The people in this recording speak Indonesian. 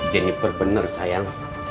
jennifer bener sayang